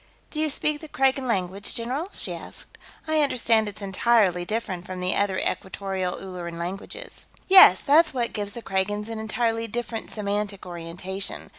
"Do you speak the Kragan language, general?" she asked. "I understand it's entirely different from the other Equatorial Ulleran languages." "Yes. That's what gives the Kragans an entirely different semantic orientation.